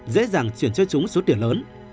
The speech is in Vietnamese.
dễ dàng chuyển cho chúng số tiền lớn